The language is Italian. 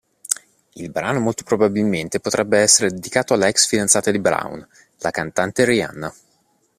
Il brano molto probabilmente potrebbe essere dedicato alla ex-fidanzata di Brown, la cantante Rihanna.